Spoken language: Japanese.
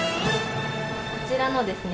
こちらのですね